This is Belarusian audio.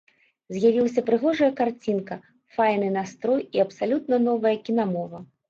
З'явілася прыгожая карцінка, файны настрой і абсалютна новая кінамова.